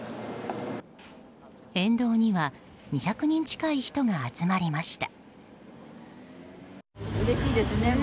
沿道には２００人近い人が集まりました。